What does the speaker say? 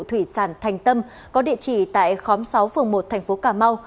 thủy sản thành tâm có địa chỉ tại khóm sáu phường một tp hcm